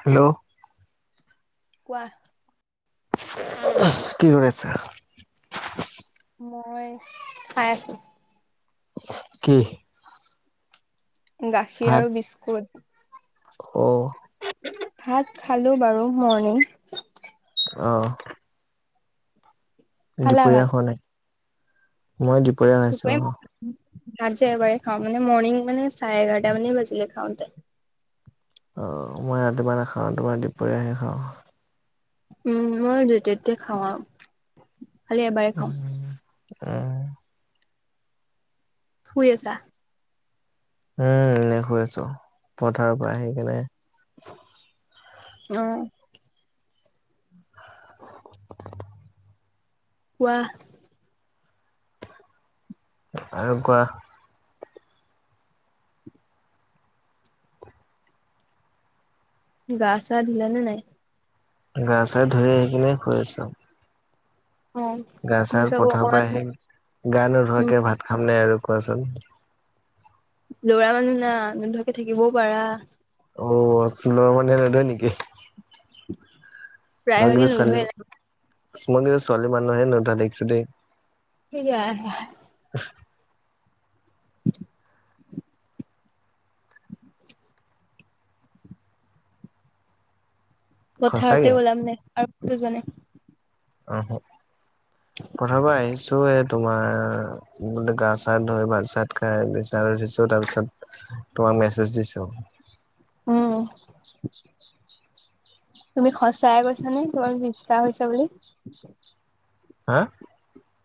Hello কোৱা অহ কি হৈ আছে। মই খাই আছো। কি। গাখীৰ ভাত? আৰু বিস্কুট। অ ভাত খালো বাৰু মৰ্ণিং। অহ খালা দুপৰীয়া ভাত খোৱা নাই মই দুপৰীয়া খাইছোঁ অহ ভাত যে এবাৰে খাওঁ মানে মৰ্ণিং মানে চাৰে এঘাৰটা মানে বাজিলে খাওঁতে অহ মই ৰাতিপুৱা নাখাওঁ তোমাৰ দুপৰীয়া হে খাওঁ উম মই যেতিয়া তেতিয়া খাওঁ আ। উম এহ। শুই আছা। এই এনে শুই আছো পথাৰৰ পৰা আহি কেনে। অহ। [unintelligible] কোৱা। আৰু কোৱা। গা চা ধুলে নে নাই। গা চা ধুই আহি কিনে শুই আছো। অ গা চা মোৰ চাব পথাৰৰ পৰা অকমান আহি গা উম নোধোৱাকে ভাত খাম নে আৰু কোৱাচোন। লৰা মানুহ না নোধোৱাকে থাকিবও পাৰা। অহ চিলৰ মানে সেইটো নেকি উম মই কিন্তু ছোৱালী কিছুমানে ছোৱালী মানুহে নোধোৱা দেখিলো দেই। কিয়া অ। [unintelligible] পথাৰতে সঁচাকে। ওলাম নে আৰু কতো যোৱা নাই আহ পথাৰত পৰা আহিছো এ তোমাৰ। প্ৰথমতে গা চা ধুই ভাত চাত খাইছো বিচনাত উঠিছো তাৰপিছত। তোমাক মেছেজ দিছোঁ। উম তুমি সঁচাই কৈছা নে তোমাৰ বিছটো হৈছে বুলি হে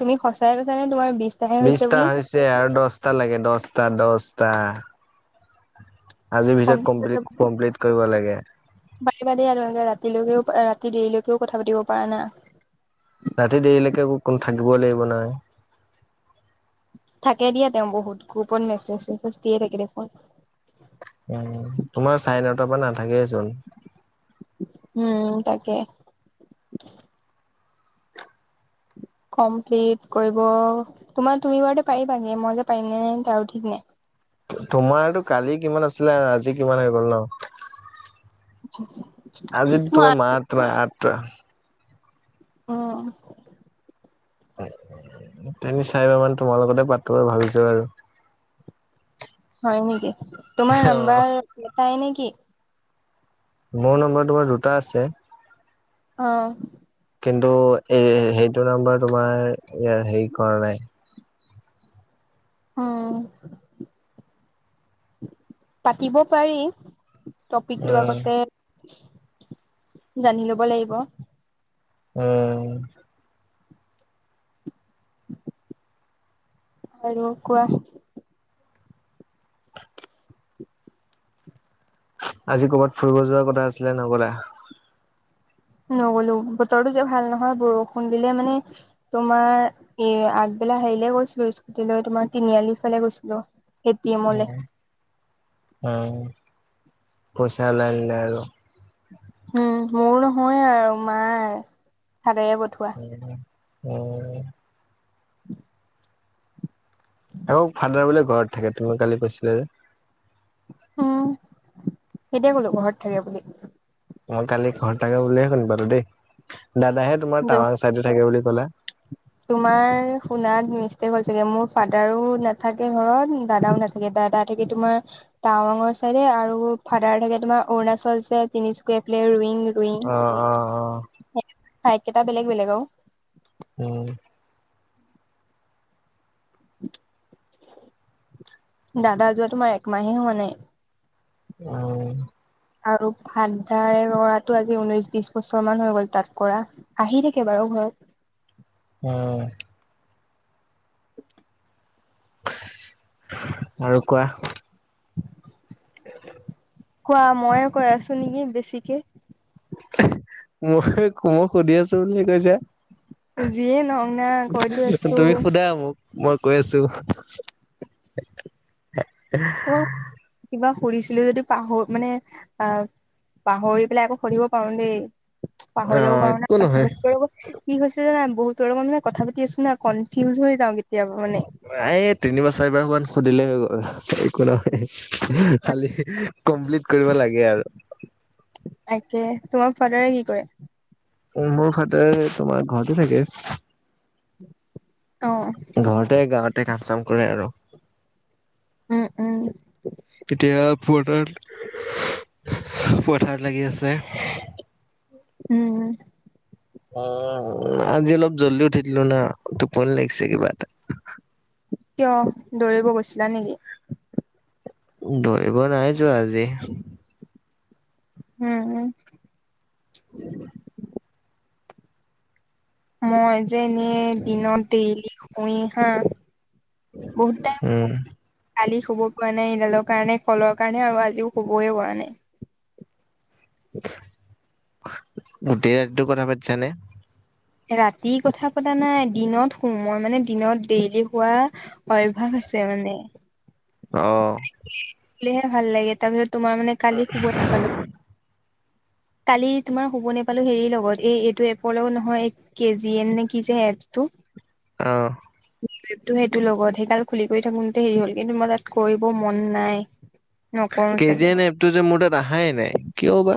তুমি সঁচাই কৈছা নে তোমাৰ বি বিচটা হৈছে আৰু দচটা লাগে দচটা দচটা। আজিৰ ভিতৰত কমপ্লিট কমপ্লিট কৰিব লাগে। পাতিবা দেই আৰু এনেকে ৰাতিলৈকেও ৰাতি দেৰিলৈকেও কথা পাতিব পৰা না। ৰাতি দেৰিলৈকে অকণ থাকিবই লাগিব না থাকে দিয়া তেওঁ বহুত গ্ৰুপত মেছেজ চেছেজ দিয়ে থাকে দেখোন। উম তোমাৰ চাৰে নটাৰ পৰা নাথাকে চোন। উম তাকে কমপ্লিট কৰিব তোমাৰ তুমি বাৰতে পাৰিবাগে মই যে পাৰিম নে নাই তাৰ ও ঠিক নাই। তোমাৰটো কালি কিমান আছিলে আৰু আজি কিমান হৈ গ'ল ন, [inaudible] আজি তোমাৰ মই মাত্ৰ আঠটা। অ তিনি চাইবা মান তোমাৰ লগতে পাতো আৰু ভাবিছোঁ আৰু। হয় নেকি, তোমাৰ অ নাম্বাৰ এটাই নেকি? মোৰ নম্বৰ তোমাৰ দুটা আছে। অ কিন্তু এ সেইটো নাম্বাৰ তোমাৰ এয়াৰ হেৰি কৰা নাই। অ পাতিব পাৰি। টপিকটো উম, আগতে জানি লব লাগিব। উম আৰু কোৱা। আজি কৰ'ৰবাত ফুৰিব যোৱাৰ কথা আছিলে নগলা? নগ'লো - বতৰটো যে ভাল নহয় বৰষুণ দিলে মানে, তোমাৰ এ আগবেলা হেৰিলে গৈছিলোঁ স্কুটিলৈ তোমাৰ তিনিআলি ফালে গৈছিলোঁ। উ উ পইচা ওলাই আনিলা আৰু। উম মোৰ নহয় আৰু মাৰ ফাদাৰে পঠোৱা। অ আকৌ ফাদাৰ বোলে ঘৰত থাকে তুমি কালি কৈছিলা যে? উম কেতিয়া কলো ঘৰত থাকে বুলি, মই কালি ঘৰত থাকে বুলিয়ে শুনা পালো দেই দাদাহে তোমাৰ টাৱাং চাইডে থাকে বুলি কলা। তোমাৰ শুনাত মিষ্টেক হল চাগে মোৰ ফাদাৰো নাথাকে ঘৰত দাদাও নাথাকে। দাদা থাকে তোমাৰ টাৱাঙৰ চাইডে আৰু ফাদাৰ থাকে তোমাৰ অৰুণাচল যে তিনিচুকীয়া ফালে ৰইং ৰইং। অ -অ অ', চাইদ কেইটা বেলেগ বেলেগ আও। উম দাদা যোৱা তোমাৰ একমাহে হোৱা নাই। উম, আৰু ফাদাৰে কৰাটো আজি ঊনৈশ বিশ বছৰ মান হৈ গ'ল তাত কৰা। আহি থাকে বাৰু ঘৰত উম আৰু কোৱা, কোৱা মইয়ে কৈ আছো নেকি বেছিকে। মোক সেই মোক সুধি আছো বুলি কৈছে। যিয়ে নহওক না কৈতো আছো তুমি সোধা মোক, মই কৈ আছোঁ অ কিবা কৰিছিলে যদি পাহৰ মানে আহ পাহৰি পেলাই আকৌ সুধিব পাৰো দেই পাহৰি যাব অ', পাৰো একো নহয়। ন কি হৈছে জানা বহুতৰ লগত মানে কথা পাতি আছো ন কনফিউজ হৈ যাওঁ কেতিয়াবা মানে। এই তিনিবাৰ চাৰিবাৰ মান সুধিলে হৈ গ'ল একো নহয়। খালি কমপ্লিট কৰিব লাগে আৰু। তাকে তোমাৰ ফাদাৰে কি কৰে? মোৰ ফাদাৰ তোমাৰ ঘৰতে থাকে। অঁ' ঘৰতে গাঁৱতে কাম-চাম কৰে আৰু। উম উম কেতিয়াব- পথাত পথাত লাগি আছে। উম' ওঁ আজি অলপ জল্দি উঠি দিলো না, টোপনি লাগিছে কিবা এটা। কিয়, দৌৰিব গৈছিলা নেকি? দৌৰিব নাই যোৱা আজি। হুউম হুম' [inaudible] মই যে এনে‌য়ে দিনত ডেইলি শুই হাঁ। বহুত টাইম উম হল। কালি শুব পৰা নাই এইডালৰ কাৰণে কলৰ কাৰণে আৰু আজিও শুবই পৰা নাই। গোটেই ৰাতিটো কথা পাতিছানে? ৰাতি কথা পতা নাই, দিনত শোওঁ মই মানে দিনত ডেইলি শুৱা- অভ্যাস আছে মানে- অ' শুলে হে ভাল লাগে তাৰ পিছত তোমাৰ মানে কালি শুবই নাপালো। কালি তোমাৰ শুব নাপালো হেৰিৰ লগত এই এইটো এপৰ লগত নহয়- কে জি এম নে কিজে এপছ টো। অঁ' টো সেইটো লগত সেই গাল খুলি কৰি থাকোতে হেৰি হল, কিন্তু মই তাত কৰিব মন নাই। নকৰো চাগে। কেজিয়েন এপ টো যে মোৰ তাত অহাই নাই কিয় বা?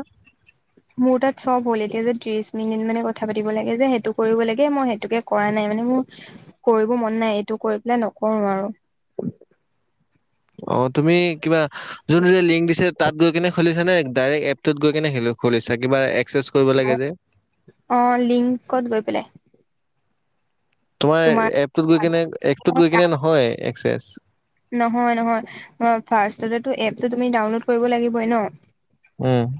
মোৰ তাত চব হ'ল, এতিয়া যে ত্ৰিশ মিনিট মানে কথা পাতিব লাগে যে সেইটো কৰিব লাগে মই সেইটোকে কৰা নাই মানে মোৰ- কৰিব মন নাই, এইটো কৰি পেলাই নকৰো আৰু। অঁ' তুমি কিবা- যোনটো যে লিংক দিছে তাত গৈ কেনে খুলিছা নে ডাইৰেক্ট এপটোত গৈ কেনে খুলিছা কিবা- চেজ কৰিব লাগে যে। অঁ লিংকত গৈ পেলাই। তোমাৰ এপটোত গৈ কেনে এপটোত গৈ কেনে নহয় একসেছ। নহয় নহয়, ফাৰ্ষ্টততেটো এপটো তুমি ডাউনলোড কৰিব লাগিবই ন। উম'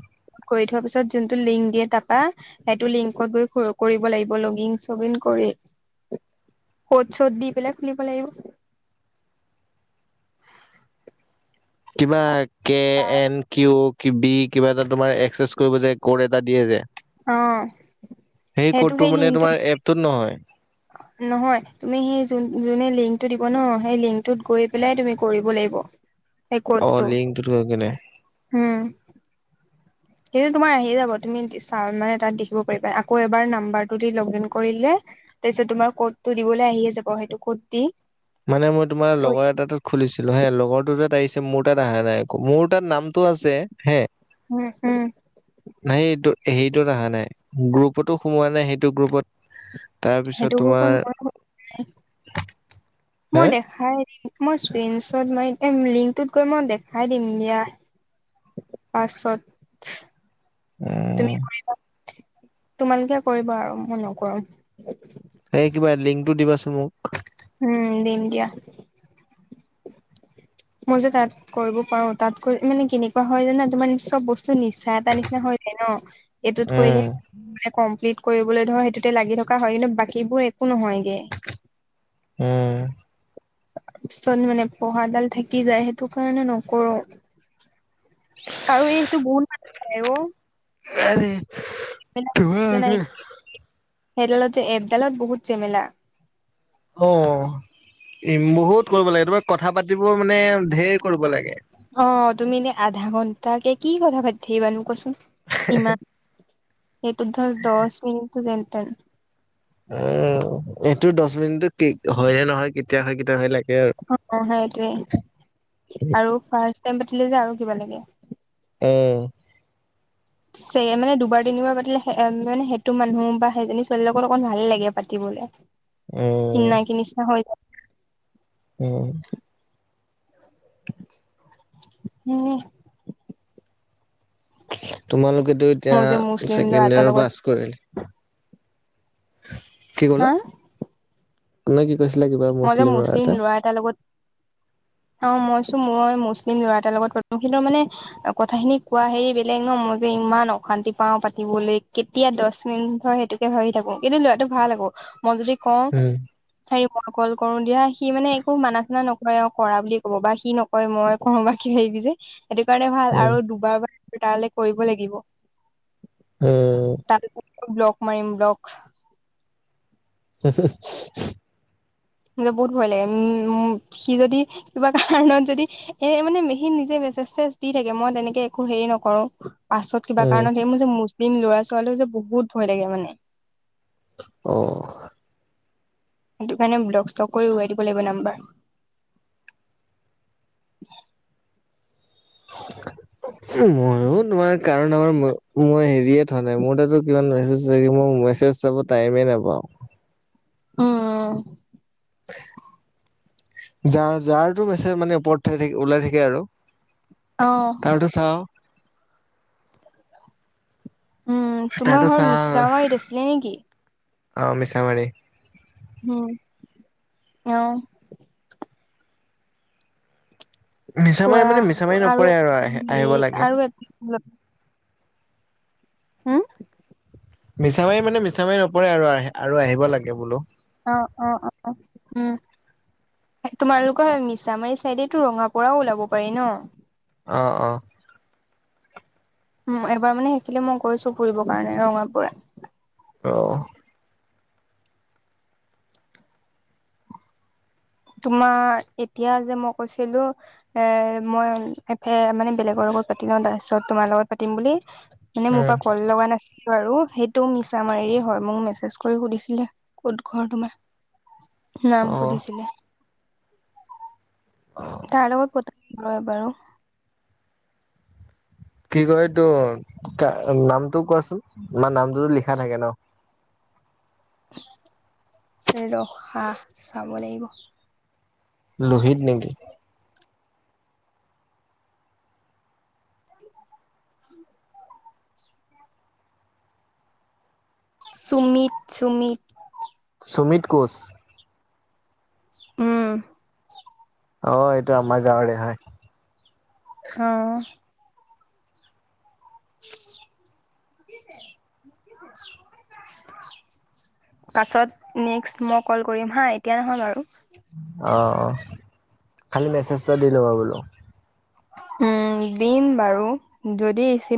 কৰি থোৱা পিছত যোনটো লিংক দিয়ে তাপা- সেটো লিংকত গৈ কৰিব লাগিব, লগ ইন চগ ইন কৰি- [inaudible] ক'ত চ'দ দি পেলাই খুলিব লাগিব। কিবা কে এন কিউ কি বি কিবা এটা তোমাৰ এক্সেছ কৰিব যে ক'ড এটা দিয়ে যে, অ - সেই সেইটো ক'ডটো মানে লিংকটোত তোমাৰ এপটোত নহয়। নহয়, তুমি হেই যোন যোনে লিংকটো দিব ন সেই লিংকটোত গৈ পেলাই তুমি কৰিব লাগিব। সেই অ কডটো লিংকটোত গৈ কিনে হুম'। সেইটো তোমাৰ আহি যাব, তুমি চা মানে তাত দেখিব পাৰিবা আকৌ এবাৰ নাম্বাৰ টো দি লগিন কৰিলে- তাপিছত তোমাৰ ক'ডতো দিবলে আহি আছে যাব সেইটো ক'ত দি- মানে মই তোমাৰ কৰি লগৰ এটা তোক- খুলিছিলো হেঁ লগৰটো তাত আহিছে, মোৰ তাত অহা নাই, আ মোৰ তাত নামটো আছে হেঁ- হুমম-হুমম নাই এইটো হেইটোত অহা নাই, গ্ৰুপতো সোমোৱা নাই, সেইটো গ্ৰুপত সেইটো তাৰপিছত তোমাৰ গ্ৰুপত মই হে মই দেখা খাই দিম মই স্ক্ৰীনশ্বট মাৰি লিংকটোত গৈ মই দেখাই দিম দিয়া। পাছত তুমি কৰিবা তোমালোকে কৰিবা আৰু মই নকৰো এই কিবা লিংকটো দিবাচোন মোক উম দিম দিয়া মই যে তাত কৰিব পাৰো তাতকৈ মানে কেনেকুৱা হয় জানা ন তোমাৰ চব বস্তু নিচা এটা নিচিনা হৈ যায় ন এইটোত উম কৰিলে কমপ্লিট কৰিবলৈ ধৰ সেইটোতে লাগি থকা হয় কিন্তু বাকীবোৰ একো নহয়গে উম ছত মানে পঢ়াডাল থাকি যায় সেইটো কাৰণে নকৰো আৰু এইটো বহুত মানুহে কৰে অ [unintelligible] আগে সেইডালত যে এপডালত বহুত জেমেলা অ ইম বহুত কৰিব লাগে তমাৰ কথা পাতিবৰ মানে ধেৰ কৰিব লাগে অ তুমি এনে আধা ঘন্টাকে কি কথা পাতি থাকিবানো কোৱাচোন ইমান সেইটো ধৰ দহ মিনিটটো যেন তেন অ এইটো দহ মিনিটটো কে হয়নে নহয় কেতিয়া হয় কেতিয়া হয় লাগে আৰু অ সেইটোৱে আৰু ফাৰ্ষ্ট টাইম পাতিলে যে আৰু কিবা লাগে উম চ মানে দুবাৰ তিনিবাৰ পাতিলে মানে সেইটো মানুহ বা সেইজনী ছোৱালী লগৰ অকণ ভাল লাগে পাতিবলে উম চিনাকি নিচিনা হৈ জাই উম উম তোমালোকেটো এতিয়া মই যে মুছলিম ল'ৰা ছেকেণ্ড এটাৰ ইয়াৰ লগত পাছ কৰিল কি হা ক'লা নে কি কৈছিলা কিবা মুছলিম ল'ৰা এটা তাৰ লগত অ মই চো মই মুছলিম ল'ৰা এটাৰ লগত প্ৰথম কিন্তু মানে কথাখিনি কোৱা হেৰি বেলেগ ন মই যে ইমান অশান্তি পাও পাতিবলৈ কেত তিয়া দহ মিনিট হয় সেইটোকে ভাবি থাকো কিন্তু লৰাটো ভাল আকৌ মই যদি কওঁ উম। হেৰি মই কল কৰো দিয়া সি মানে একো মানা চনা নকৰে আৰু কৰা বুলি কব বা সি নকয় মই [unintelligible] সেইটো কাৰণে ভাল উম আৰু দুবাৰ বাৰ তালৈ কৰিব লাগিব উম তাৰপিছত ব্লক মাৰিম ব্লক [inaudible] বহুত ভয় লাগে উ সি যদি কিবা কাৰনত যদি এ মানে ম হি নিজে মেছেজ চেছজ দি থাকে মই তেনেকে একো হেৰি নকৰো পাছত কিবা কাৰণত উম। লাগে মোৰ যে মুছলিম ল'ৰা ছোৱালীও যে বহুত ভয় লাগে মানে অ সেইটো কাৰণে ব্লক ষ্টল কৰি ওৰুৱাই দিব লাগিব নাম্বাৰ [inaudible] মইয়ো তোমাৰ কাৰণ আমাৰ ম মই হেৰিয়ে থোৱা নাই, মোৰ তাতো কিমান মেছেজ হেৰি মই মেছেজ চাব টাইমে নাপাওঁ। অঁ, অঁ [unintelligible] যা যাৰটো মেছেজ মানে ওপৰত থা থা ওলাই থাকে আৰু। অঁ। তাৰটো চাওঁ। উম তোমাৰ তাৰতো ঘৰ মিছা মাৰিত আছিলে নেকি? অঁ, মিছামাৰি। হুম অঁ। মিছামাৰী কোৱা মানে মিছামাৰী আৰু নপৰে আহে [unintelligible] আহিব এই লাগে আৰু [unintelligible] হুম। মিছামাৰি মানে মিছামাৰি নপৰে আৰু আহ আৰু আহিব লাগে বোলো। অঁ, অঁ, অঁ উম। তোমালোকৰ মিছামাৰী চাইডেটো ৰঙাপৰাও ওলাব পাৰি ন? অঁ, অঁ। উম এবাৰ মানে সেইফালে মই গৈছো ফুৰিব কাৰণে ৰঙাপৰা। অহ। তোমাৰ, এতিয়া যে মই কৈছিলো। এ মই এফে মানে বেলেগৰ লগত পাতি লওঁ তাৰপিছত তোমাৰ লগত পাতিম বুলি। মানে মোৰ উম পৰা কল লগা নাছ বাৰু সেইটো মিছা মাৰিৰে হয়। মোক মেছেজ কৰি সুধিছিলে ক'ত ঘৰ তোমাৰ? [inaudible] নাম অ সুধিছিলে। অ [unintelligible] তাৰ লগত পতা ৰয় বাৰু। কি কয় তো নামটো কোৱাচোন তোমাৰ নামটো যদি লিখা থাকে ন। ৰখা চাব লাগিব। লোহিত নেকি? চুমিত চুমিত। সুমিত কোঁচ? উম। অঁ এইটো আমাৰ গাঁৱৰে হয়। অঁ। [unintelligible] পাছত নেক্স মই কল কৰিম হা, এতিয়া নহয় বাৰু। অঁ অঁ খালি মেছেজ এটা দি ল'বা বোলো। উম দিম বাৰু যদি ৰিচি